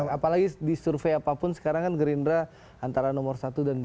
apalagi di survei apapun sekarang kan gerindra antara nomor satu dan dua